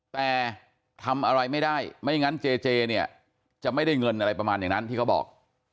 แต่ทำอะไรไม่ได้ไม่งั้นเจเจเนี่ยจะไม่ได้เงินอะไรประมาณอย่างนั้นที่เขาบอก